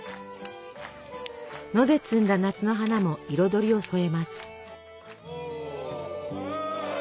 野で摘んだ夏の花も彩りを添えます。